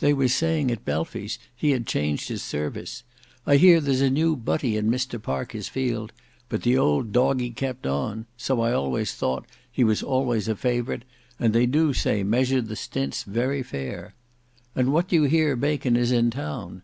They was saying at Belfy's he had changed his service. I hear there's a new butty in Mr Parker's field; but the old doggy kept on; so I always thought, he was always a favourite, and they do say measured the stints very fair. And what do you hear bacon is in town?